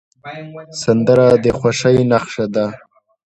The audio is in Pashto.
سندره د خوښۍ نښه ده